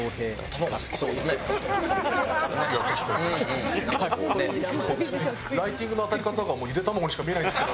本当にライティングの当たり方がもうゆで卵にしか見えないんですけど。